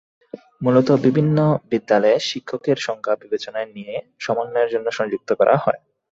মূলত বিভিন্ন বিদ্যালয়ে শিক্ষকের সংখ্যা বিবেচনায় নিয়ে সমন্বয়ের জন্য সংযুক্ত করা হয়।